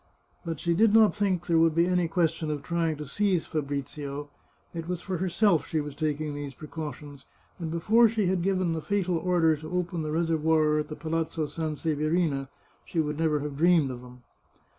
But she did not think there would be any question of trying to seize Fa brizio ; it was for herself she was taking these precautions, and before she had given the fatal order to open the reser voir at the Palazzo Sanseverina, she would never have dreamed of them.